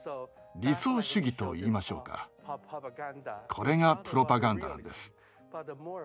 理想主義と言いましょうかこれがプロパガンダなんです。